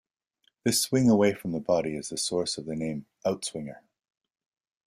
This swing away from the body is the source of the name "outswinger".